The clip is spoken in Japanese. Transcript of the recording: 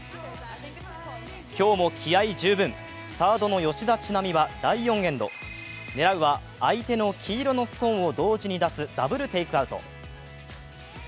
今日も気合い十分、サードの吉田知那美は第４エンド狙うは相手の黄色のストーンを同時に出すダブルテイクアウト。